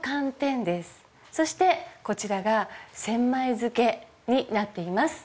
そしてこちらが千枚漬けになっています。